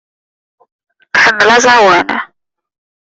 Tḥemmel aẓawan.